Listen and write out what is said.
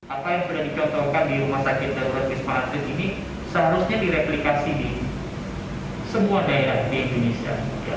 apa yang sudah dicontohkan di rumah sakit darurat wisma atlet ini seharusnya direplikasi di semua daerah di indonesia